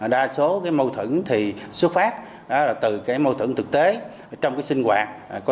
đa số mâu thuẫn thì xuất phát từ